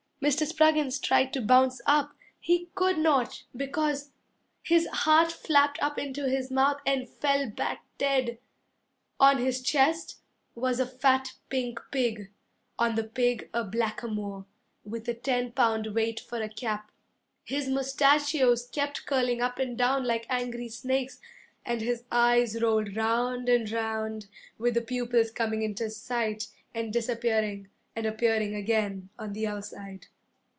Mr. Spruggins tried to bounce up; He could not, because His heart flapped up into his mouth And fell back dead. On his chest was a fat pink pig, On the pig a blackamoor With a ten pound weight for a cap. His mustachios kept curling up and down like angry snakes, And his eyes rolled round and round, With the pupils coming into sight, and disappearing, And appearing again on the other side.